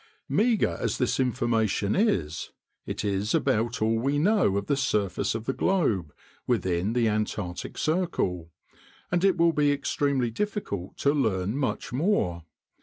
Meager as this information is, it is about all we know of the surface of the globe within the Antarctic circle; and it will be extremely difficult to learn much more.